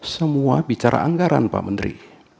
semua bicara anggaran pak menteri